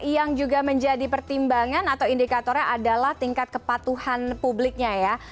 yang juga menjadi pertimbangan atau indikatornya adalah tingkat kepatuhan publiknya ya